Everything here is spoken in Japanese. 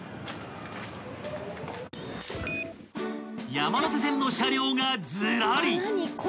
［山手線の車両がずらり！］